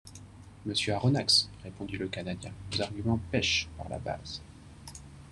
Monsieur Aronnax, répondit le Canadien, vos arguments pèchent par la base.